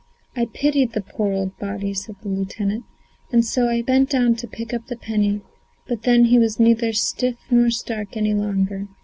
"I pitied the poor, old body," said the lieutenant, "and so I bent down to pick up the penny, but then he was neither stiff nor stark any longer.